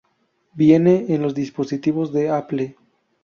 Viene en los dispositivos de Apple.